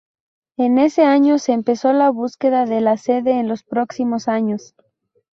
En ese año se empezó la búsqueda de la sede en los próximos años.